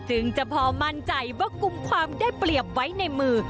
จึงจะพอมั่นใจว่ากลุ่มความได้เปรียบไว้ในมือ